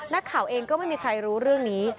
นักข่าวเองก็ไม่มีใครรู้เรื่องนี้